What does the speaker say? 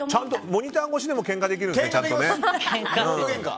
モニター越しでもけんかできるんですね。